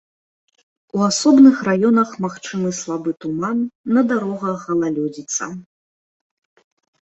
У асобных раёнах магчымы слабы туман, на дарогах галалёдзіца.